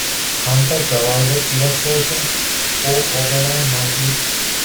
Hunter provided illustrations for Overland Monthly.